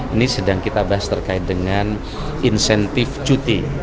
ini sedang kita bahas terkait dengan insentif cuti